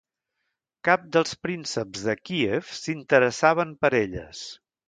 Cap dels prínceps de Kíev s'interessaven per elles.